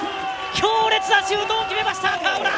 強烈なシュートを決めました川村！